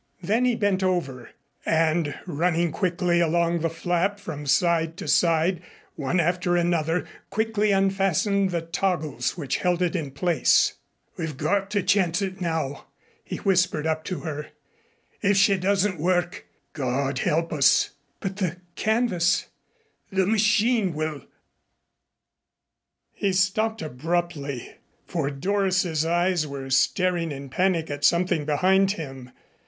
Then he bent over, and running quickly along the flap from side to side, one after another quickly unfastened the toggles which held it in place. "We've got to chance it now," he whispered up to her. "If she doesn't work God help us " "But the canvas " "The machine will " He stopped abruptly, for Doris's eyes were staring in panic at something behind him.